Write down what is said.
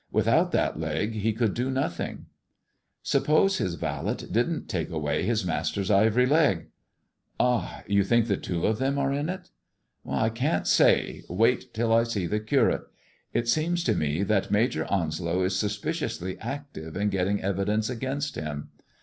With out that leg he could do nothing.'' " Suppose his valet didn't take away his master's ivory leg ?"" Ah ! you think the two of them are in it 1 "" I can't say ! Wait till I see the Curata It seems to me that Major Onslow is suspiciously active in getting evidence against him.